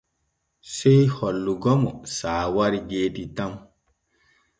Sey hollugo mo saawari geeti tan.